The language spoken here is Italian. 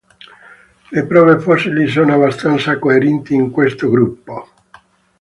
Le prove fossili sono abbastanza coerenti in questo gruppo.